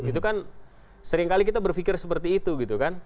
itu kan seringkali kita berpikir seperti itu gitu kan